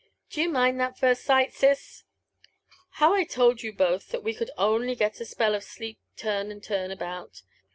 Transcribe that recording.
D'ye mind that first night, sis ?— how I told you both that we could only get a spell of sleep turn and turn about